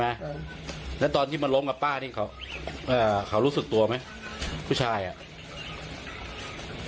แล้วตอนที่มาล้มกับป้านี่เขาเอ่อเขารู้สึกตัวไหมผู้ชายอ่ะ